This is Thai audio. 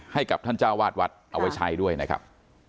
ให้กับท่านเจ้าวาดวัดเอาไว้ใช้ด้วยนะครับ